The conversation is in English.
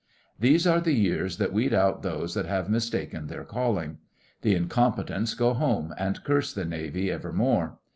These are the years that weed out those that have mistaken their calling. The incompetents go home, and curse the Navy evermore.